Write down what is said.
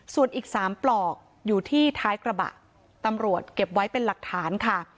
ส่วนอีก๓ปลอกอยู่ที่ท้ายกระบะตำรวจเก็บไว้เป็นหลักฐานค่ะ